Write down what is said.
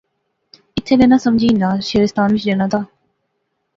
ایتھیں رہنا سمجھی ہنا شعرستان وچ رہنا دا